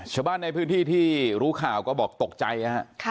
ชะบันในพื้นที่ที่รู้ข่าวก็บอกตกใจนะครับ